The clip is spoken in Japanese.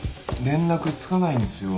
連絡つかないんですよ。